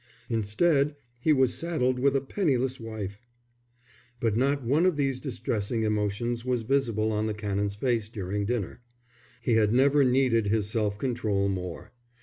Instead he was saddled with a penniless wife. But not one of these distressing emotions was visible on the Canon's face during dinner. He had never needed his self control more.